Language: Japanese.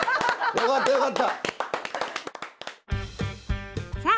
よかったよかった！さあ